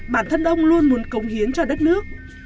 bản thân ông luôn muốn cống hiến cho đất nước